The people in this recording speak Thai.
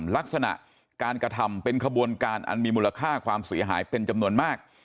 ลักษณะการกระทำเป็นขบวนการอันมีมูลค่าความเสียหายเป็นจำนวนมาก